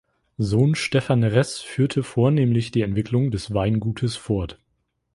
Sohn Stefan Ress führte vornehmlich die Entwicklung des Weingutes fort.